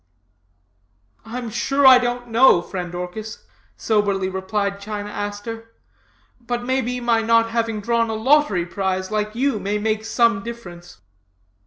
"I'm sure I don't know, friend Orchis,' soberly replied China Aster, 'but may be my not having drawn a lottery prize, like you, may make some difference.'